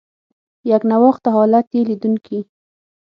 یکنواخته حالت یې لیدونکي.